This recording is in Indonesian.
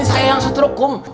itu saya yang setruk kum